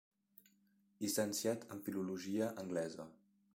Llicenciat en Filologia Anglesa.